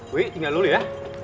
wih tinggal dulu ya